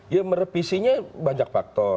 ya merevisinya banyak faktor